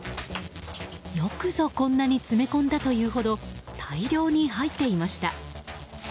よくぞ、こんなに詰め込んだというほど大量に入っていました。